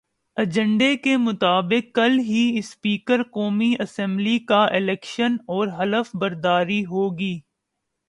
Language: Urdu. ایجنڈے کے مطابق کل ہی اسپیکر قومی اسمبلی کا الیکشن اور حلف برداری ہوگی۔